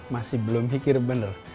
masih belum pikir bener